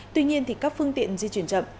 tuy nhiên thì các phương tiện di chuyển chậm